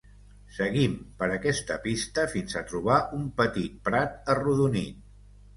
Seguim per aquesta pista fins a trobar un petit prat arrodonit.